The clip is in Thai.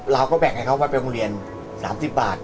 เราก็แบ่งให้เขาไปโรงเรียน๓๐บาท